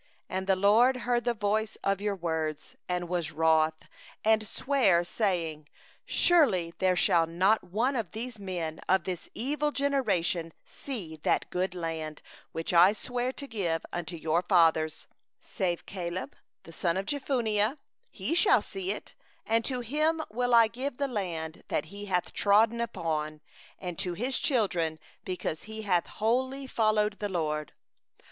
34And the LORD heard the voice of your words, and was wroth, and swore, saying: 35'Surely there shall not one of these men, even this evil generation, see the good land, which I swore to give unto your fathers, 36save Caleb the son of Jephunneh, he shall see it; and to him will I give the land that he hath trodden upon, and to his children; because he hath wholly followed the LORD.